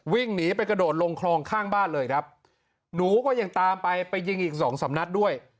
วิ่งหนีไปกระโดดลงคลองข้างบ้านเลยครับหนูก็ยังตามไปไปยิงอีกสองสำนัดด้วย